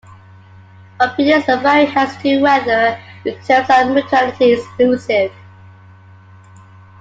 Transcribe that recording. Opinions vary as to whether the terms are mutually exclusive.